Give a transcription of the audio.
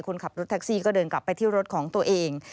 คนขับรถแท็กซี่ก็เดินกลับไปที่รถของตัวเอง